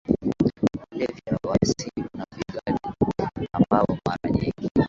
kulevya wasio na vibali ambao mara nyingi